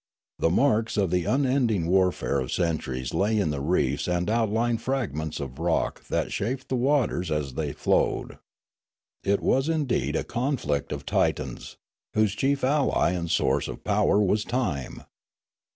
The marks of the unending warfare of cent uries lay in the reefs and outl3'ing fragments of rock that chafed the waters as they flowed. It was indeed Broolyi 3^3 a conflict of Titans, whose chief ally and source of power was Time.